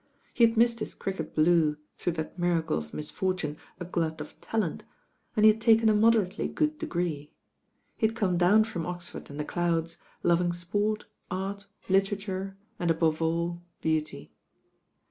He had missed his cricket "blue" through that miracle of misfortune, a glut of talent, and he had taken a moderately good degree. He had come down from Oxford and the clouds, loving sport, art, litera ture, and above all beauty.